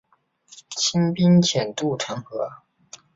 清兵潜渡城河。